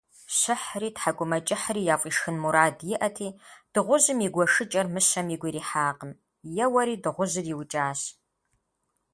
Щыхьри, тхьэкӏумэкӏыхьри яфӏишхын мурад иӏэти, дыгъужьым и гуэшыкӏэр мыщэм игу ирихьакъым: еуэри дыгъужьыр иукӏащ.